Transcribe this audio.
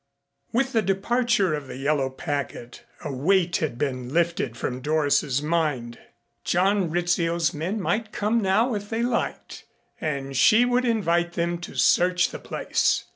With the departure of the yellow packet a weight had been lifted from Doris's mind. John Rizzio's men might come now if they liked and she would invite them to search the place.